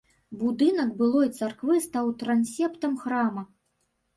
Будынак былой царквы стаў трансептам храма.